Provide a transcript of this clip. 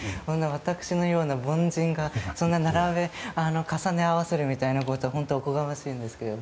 私のような凡人がそんな重ね合わせるみたいなことは本当おこがましいんですけど。